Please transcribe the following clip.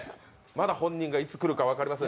まだ本人がいつ来るか分かりません。